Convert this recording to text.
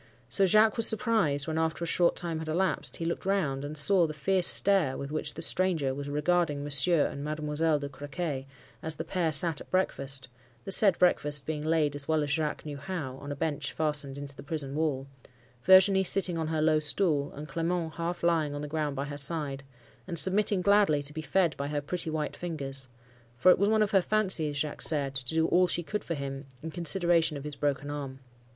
So Jacques was surprised when, after a short time had elapsed, he looked round, and saw the fierce stare with which the stranger was regarding Monsieur and Mademoiselle de Crequy, as the pair sat at breakfast,—the said breakfast being laid as well as Jacques knew how, on a bench fastened into the prison wall,—Virginie sitting on her low stool, and Clement half lying on the ground by her side, and submitting gladly to be fed by her pretty white fingers; for it was one of her fancies, Jacques said, to do all she could for him, in consideration of his broken arm.